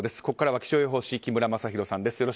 ここからは気象予報士木村雅洋さんです。